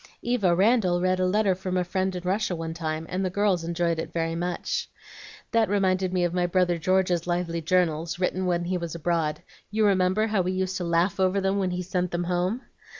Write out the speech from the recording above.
Eva Randal read a letter from a friend in Russia one time, and the girls enjoyed it very much. That reminded me of my brother George's lively journals, written when he was abroad. You remember how we used to laugh over them when he sent them home?